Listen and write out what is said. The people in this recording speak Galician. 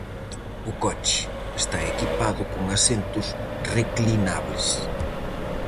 O coche está equipado con asentos reclinables.